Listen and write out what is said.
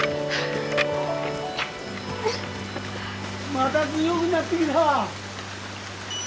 まだ強ぐなってきた。